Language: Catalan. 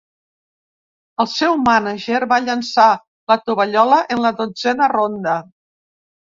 El seu mànager va llançar la tovallola en la dotzena ronda.